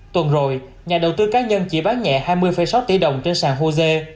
tuần rồi nhà đầu tư cá nhân chỉ bán nhẹ hai mươi sáu tỷ đồng trên sàn hồ dê